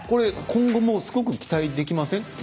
今後も、すごく期待できません？